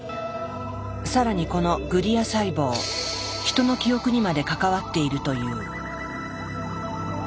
更にこのグリア細胞ヒトの記憶にまで関わっているという。